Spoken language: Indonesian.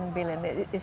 adakah ini dari